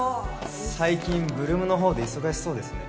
最近８ＬＯＯＭのほうで忙しそうですね